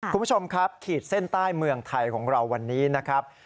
คุณผู้ชมครับขีดเส้นใต้เมืองไทยของเราวันนี้นะครับ